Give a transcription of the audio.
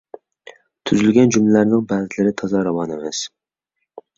تۈزۈلگەن جۈملىلەرنىڭ بەزىلىرى تازا راۋان ئەمەس،.